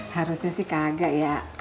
harusnya sih kagak ya